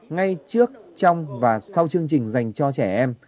ngay trước trong và sau chương trình dành cho trẻ em